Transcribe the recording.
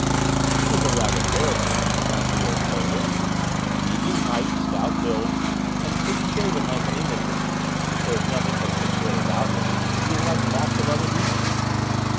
"He is a rather fair man," the concierge told him, "medium height, stout build, and clean shaven like an Englishman; there is nothing particular about him: he is like lots of other people."